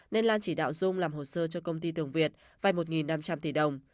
nên lan chỉ đạo dung làm hồ sơ cho công ty tường việt vay một năm trăm linh tỷ đồng